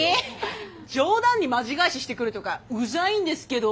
冗談にマジ返ししてくるとかうざいんですけど。